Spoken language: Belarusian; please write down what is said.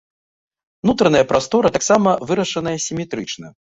Нутраная прастора таксама вырашаная сіметрычна.